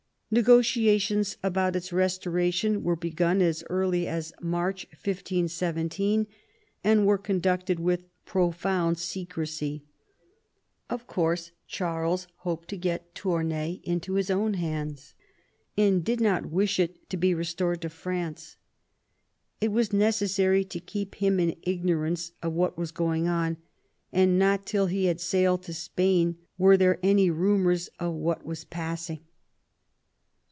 Negotiations about its restoration were begun as early as March 1517, and were conducted with profound secrecy. Of course Charles hoped to get Tournai into his own hands, and did not wish it to be restored to France. It was necessary to keep him in ignorance of what was going on, and not till he had sailed to Spain were there any rumours of what was passing.